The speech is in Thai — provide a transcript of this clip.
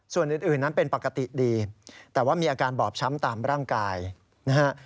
ส่วนอื่นนั้นเป็นปกติดีแต่ว่ามีอาการบอบช้ำตามร่างกายนะฮะ